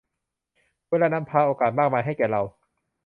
เวลานำพาโอกาสมากมายให้แก่เรา